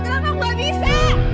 kenapa aku gak bisa